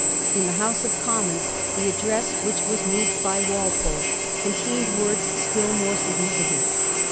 In the House of Commons the Address, which was moved by Walpole, contained words still more significant.